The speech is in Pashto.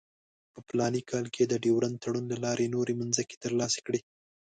په فلاني کال کې یې د ډیورنډ تړون له لارې نورې مځکې ترلاسه کړې.